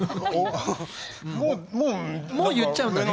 もう言っちゃうんだね。